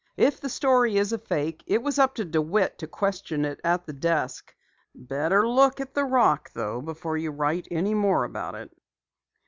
"If the story is a fake, it was up to DeWitt to question it at the desk. Better look at the rock though, before you write any more about it."